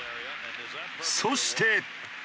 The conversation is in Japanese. そして。